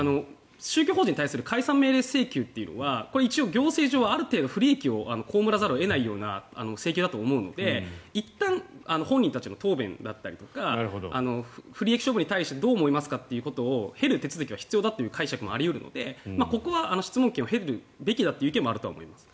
宗教法人に対する解散命令請求というのは一応、行政上はある程度不利益を被らざるを得ないような請求だと思うのでいったん本人たちの答弁だったり不利益処分に対してどう思いますかを経る手続きは必要だという解釈もあり得るのでここは質問権を経るべきだという意見もあると思います。